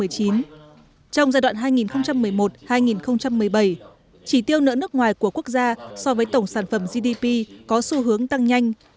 trong giai đoạn hai nghìn một mươi một hai nghìn một mươi bảy chỉ tiêu nợ nước ngoài của quốc gia so với tổng sản phẩm gdp có xu hướng tăng nhanh